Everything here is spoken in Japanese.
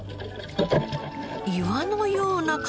岩のような塊。